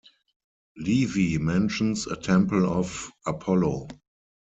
Livy mentions a temple of Apollo.